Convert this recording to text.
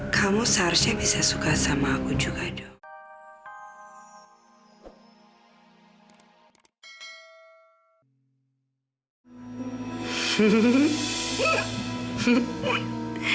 kamu seharusnya bisa suka sama aku juga dong